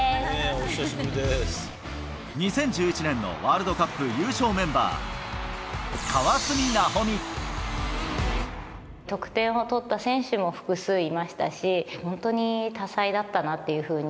２０１１年のワールドカップ優勝メンバー、得点を取った選手も複数いましたし、本当に多彩だったなというふうに。